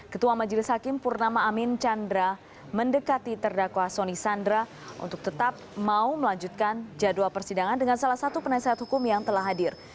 ketua majelis hakim purnama amin chandra mendekati terdakwa soni sandra untuk tetap mau melanjutkan jadwal persidangan dengan salah satu penasehat hukum yang telah hadir